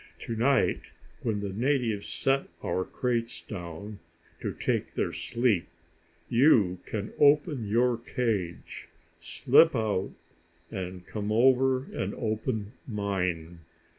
To night, when the natives set our crates down, to take their sleep, you can open your cage, slip out and come over and open mine.